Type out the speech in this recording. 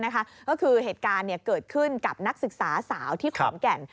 ก็คือเหตุการณ์เกิดขึ้นกับนักศึกษาสาวที่ขอนแก่น